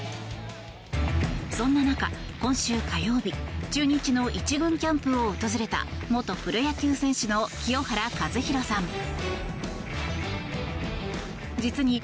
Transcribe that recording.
そんな中、今週火曜日中日の１軍キャンプを訪れた元プロ野球選手の清原和博さん。